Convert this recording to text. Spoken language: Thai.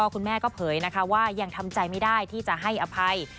คุณแม่ก็เผยนะคะว่ายังทำใจไม่ได้ที่จะให้อภัย